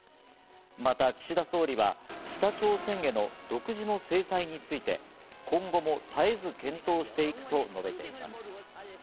また岸田総理は北朝鮮への独自の制裁について今後も絶えず検討していくと述べています。